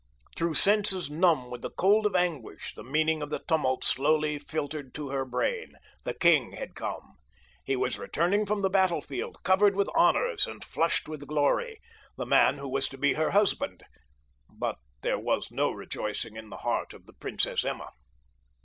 Through senses numb with the cold of anguish the meaning of the tumult slowly filtered to her brain—the king had come. He was returning from the battlefield, covered with honors and flushed with glory—the man who was to be her husband; but there was no rejoicing in the heart of the Princess Emma.